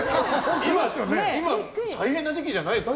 今、大変な時期じゃないですか？